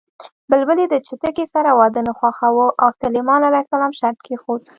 بلبلې د چتکي سره واده نه خوښاوه او سلیمان ع شرط کېښود